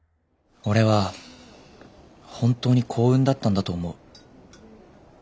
俺は本当に幸運だったんだと思う。